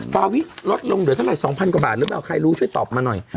ฟาวิลดลงเหลือเท่าไร๒๐๐กว่าบาทหรือเปล่าใครรู้ช่วยตอบมาหน่อย